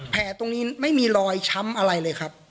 ตรงนี้ไม่มีรอยช้ำอะไรเลยครับ